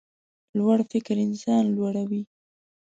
لوړ فکر انسان لوړوي.